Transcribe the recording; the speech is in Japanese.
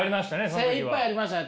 精いっぱいやりましたよね